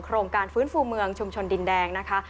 โครงการฟื้นฟูเมืองชุมชนดินแดงนะคะ